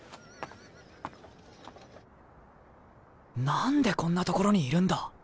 何でこんな所にいるんだ？